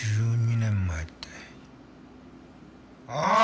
１２年前ってあっ！